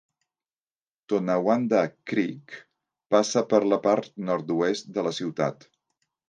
Tonawanda Creek passa per la part nord-oest de la ciutat.